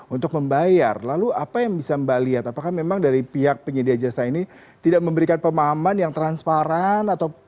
untuk membayar lalu apa yang bisa mbak lihat apakah memang dari pihak penyedia jasa ini tidak memberikan pemahaman yang transparan